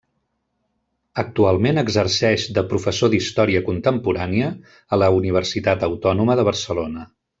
Actualment exerceix de professor d'Història contemporània a la Universitat Autònoma de Barcelona.